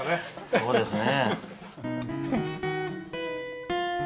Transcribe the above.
そうですね。